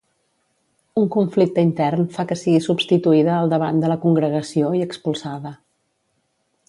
Un conflicte intern fa que sigui substituïda al davant de la congregació i expulsada.